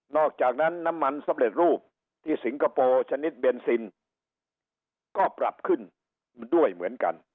อกจากนั้นน้ำมันสำเร็จรูปที่สิงคโปร์ชนิดเบนซินก็ปรับขึ้นด้วยเหมือนกัน